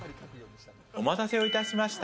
お待たせをいたしました。